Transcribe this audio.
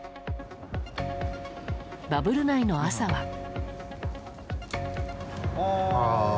バブル内の朝は。